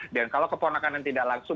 dan kalau keponakan yang tidak langsung